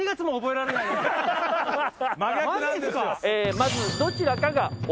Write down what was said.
まずどちらかが鬼。